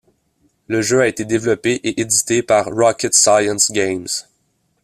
Le jeu a été développé et édité par Rocket Science Games.